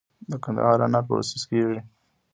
د قندهار انار پروسس کیږي؟